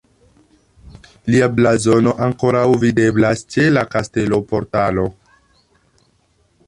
Lia blazono ankoraŭ videblas ĉe la kasteloportalo.